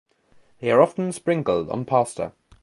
They are often sprinkled on pasta.